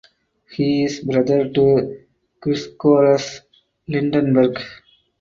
He is brother to Grzegorz Lindenberg.